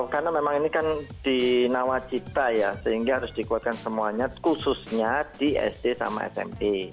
karena memang ini kan di nawacita ya sehingga harus dikuatkan semuanya khususnya di sd sama smp